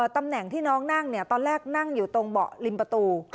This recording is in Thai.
ตำแหน่งที่น้องนั่งตอนแรกนั่งอยู่ตรงเบาะริมประตู